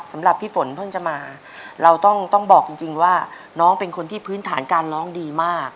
สำหรับพี่ฝนเพิ่งจะมาเราต้องบอกจริงว่าน้องเป็นคนที่พื้นฐานการร้องดีมาก